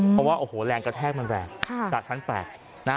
เพราะว่าโอ้โหแรงกระแทกมันแรงจากชั้น๘นะฮะ